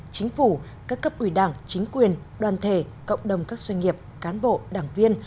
chính phủ các cấp ủy đảng chính quyền đoàn thể cộng đồng các doanh nghiệp cán bộ đảng viên